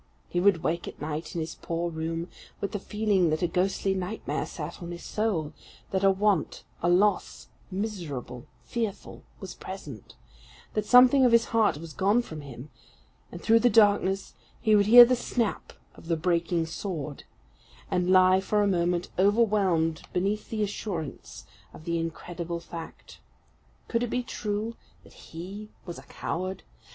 He would wake at night in his poor room, with the feeling that a ghostly nightmare sat on his soul; that a want a loss miserable, fearful was present; that something of his heart was gone from him; and through the darkness he would hear the snap of the breaking sword, and lie for a moment overwhelmed beneath the assurance of the incredible fact. Could it be true that he was a coward?